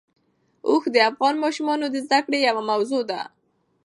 اوښ د افغان ماشومانو د زده کړې یوه موضوع ده.